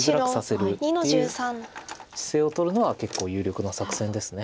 白２の十三。っていう姿勢をとるのは結構有力な作戦です。